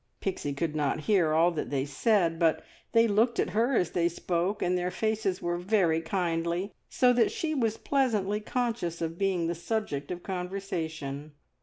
Pixie could not hear all that they said, but they looked at her as they spoke, and their faces were very kindly, so that she was pleasantly conscious of being the subject of conversation.